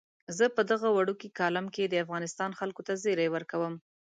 زه په دغه وړوکي کالم کې د افغانستان خلکو ته زیری ورکوم.